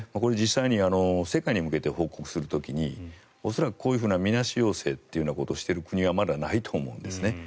実際に世界に向けて報告する時に恐らく、こういうみなし陽性ということをしている国はまだないと思うんですね。